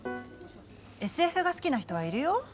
ＳＦが好きな人はいるよ？